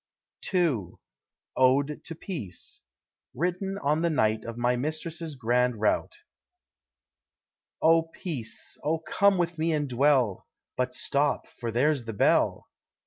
II. ODE TO PEACE. WRITTEN ON THE NIGHT OF MY MISTRESS'S GRAND ROUT. Oh Peace, oh come with me and dwell But stop, for there's the bell.